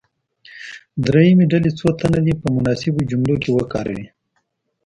دریمې ډلې څو تنه دې په مناسبو جملو کې وکاروي.